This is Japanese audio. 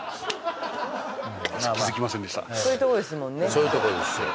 そういうとこですそう